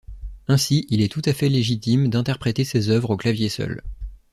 Ainsi, il est tout à fait légitime d'interpréter ces œuvres au clavier seul.